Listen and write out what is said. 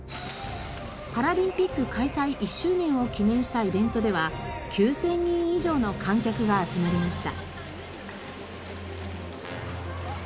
パラリンピック開催１周年を記念したイベントでは９０００人以上の観客が集まりました。